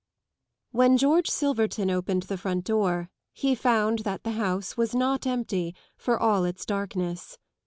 When George Siiverton opened the front door he found that the house was not empty for all its darkness.